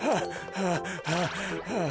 はあはあはあ。